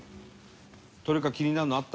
どれか気になるのあった？